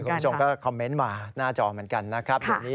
คุณผู้ชมก็คอมเมนต์มาหน้าจอเหมือนกันนะครับ